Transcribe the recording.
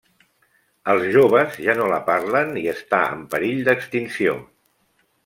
Els joves ja no la parlen i està en perill d'extinció.